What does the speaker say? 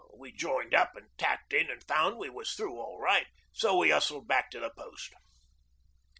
We joined up an' tapped in an' found we was through all right, so we hustled back to the Post.